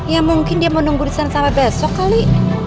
ya mungkin dia mau nunggu disana sampe besok kali